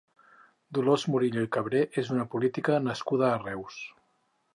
Dolors Murillo i Cabré és una política nascuda a Reus.